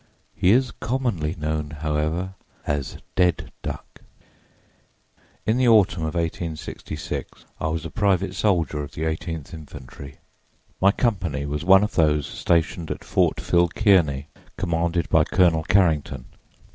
He is commonly known, however, as "Dead Duck." "In the autumn of 1866 I was a private soldier of the Eighteenth Infantry. My company was one of those stationed at Fort Phil Kearney, commanded by Colonel Carrington.